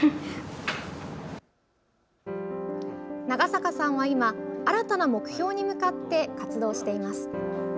長坂さんは今新たな目標に向かって活動しています。